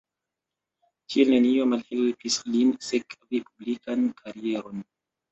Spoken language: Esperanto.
Tiel nenio malhelpis lin sekvi publikan karieron.